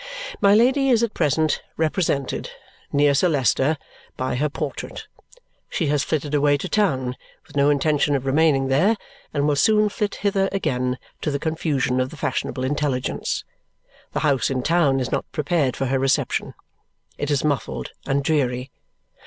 My Lady is at present represented, near Sir Leicester, by her portrait. She has flitted away to town, with no intention of remaining there, and will soon flit hither again, to the confusion of the fashionable intelligence. The house in town is not prepared for her reception. It is muffled and dreary.